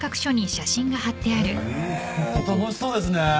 へぇ楽しそうですね。